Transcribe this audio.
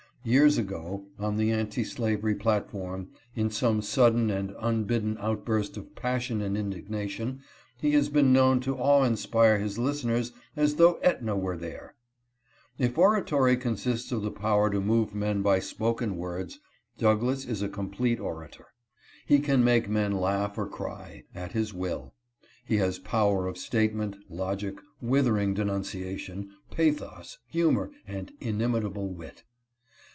Years ago, on the anti slavery platform, in some sudden and unbidden outburst of passion and indignation, he has been known to awe inspire his lis teners as though iEtna were there. If oratory consists of the power to move men by spoken words, Douglass is a complete orator. He can make men laugh or cry, at INTRODUCTION. 21 his will. He has power of statement, logic, withering denuncia tion, pathos, humor, and inimitable wit.